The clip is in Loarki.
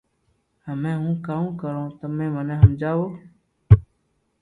ھمي ھون ڪاو ڪارو تمي مني ھمجاو